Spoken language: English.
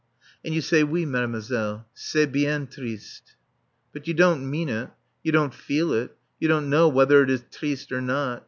_" And you say, "Oui, Mademoiselle. C'est bien triste." But you don't mean it. You don't feel it. You don't know whether it is "triste" or not.